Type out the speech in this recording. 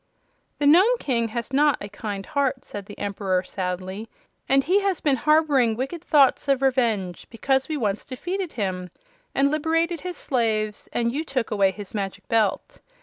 "The Nome King has not a kind heart," said the Emperor, sadly, "and he has been harboring wicked thoughts of revenge, because we once defeated him and liberated his slaves and you took away his Magic Belt.